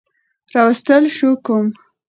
راوستل شو کوم